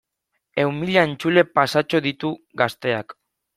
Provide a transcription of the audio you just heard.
Ehun mila entzule pasatxo ditu Gazteak.